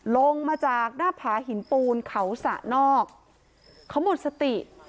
ลงมาจากหน้าผาหินปูนเขาสะนอกเขาหมดสติ